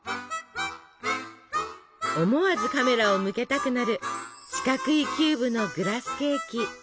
思わずカメラを向けたくなる四角いキューブのグラスケーキ。